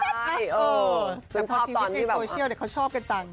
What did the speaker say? ตัดที่วิทย์ในโซเลเชียลเขาชอบกันจัง